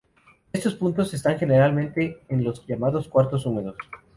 Estos puntos están, generalmente, en los llamados cuartos húmedos.